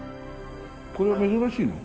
これ珍しいの？